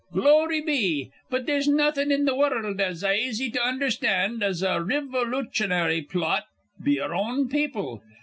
Glory be, but they'se nawthin' in the wide wurruld as aisy to undherstand as a rivoluchonary plot be our own people.